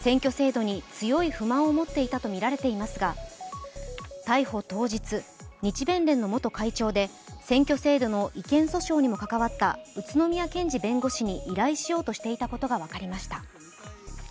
選挙制度に強い不満を持っていたとみられていますが逮捕当日、日弁連の元会長で選挙制度の違憲訴訟にも関わった宇都宮健児弁護士に依頼しようとしていたことが分かりました。